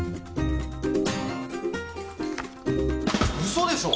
嘘でしょ！？